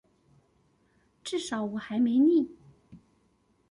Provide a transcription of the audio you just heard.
至少我還沒膩